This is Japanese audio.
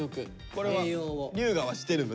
これは龍我はしてるの？